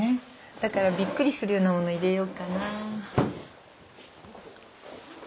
だからびっくりするようなもの入れようかな。